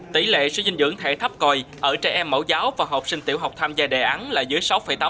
tỷ lệ suy dinh dưỡng thể thấp còi ở trẻ em mẫu giáo và học sinh tiểu học tham gia đề án là dưới sáu tám